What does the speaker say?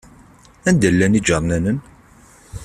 Anda llan iǧarnanen?